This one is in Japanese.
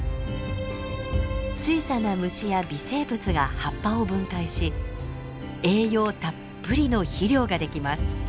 小さな虫や微生物が葉っぱを分解し栄養たっぷりの肥料ができます。